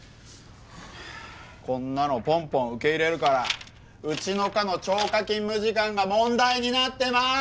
こんなのポンポン受け入れるからうちの科の超過勤務時間が問題になってまーす！